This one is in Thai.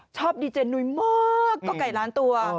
ชอบดีเจนุ้ยมากก็ไก่ล้านตัว